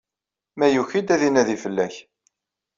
Ma yuki-d, ad inadi fell-ak.